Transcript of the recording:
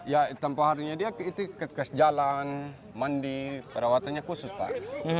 ya tanpa harinya dia itu ke jalan mandi perawatannya khusus pak